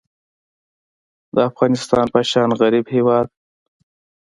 د افغانستان په شان غریب هیواد